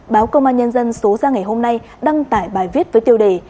báo công an nhân dân số ra ngày hôm nay đăng tải bài viết với tiêu đề